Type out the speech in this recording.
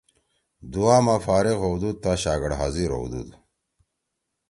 دعا ما فارغ ہؤدُودتا شاگڑ حاضر ہؤدُود